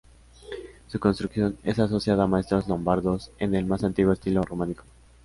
Su construcción es asociada a maestros lombardos, en el más antiguo estilo románico.